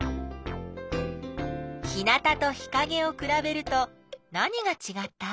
日なたと日かげをくらべると何がちがった？